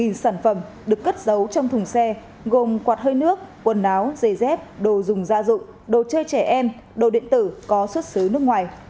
một sản phẩm được cất giấu trong thùng xe gồm quạt hơi nước quần áo giày dép đồ dùng gia dụng đồ chơi trẻ em đồ điện tử có xuất xứ nước ngoài